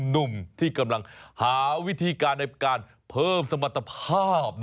หนุ่มที่กำลังหาวิธีการในการเพิ่มสมรรถภาพ